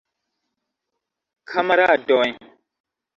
Kamaradoj!